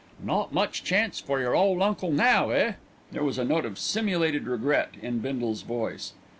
"Not much chance for your ole uncle now, eh?" There was a note of simulated regret in Bindle's voice.